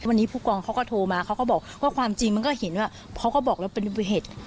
วันนี้ผู้กองเขาก็โทรมาเขาก็บอกว่าความจริงมันก็เห็นว่าเขาก็บอกแล้วเป็นอุบัติเหตุ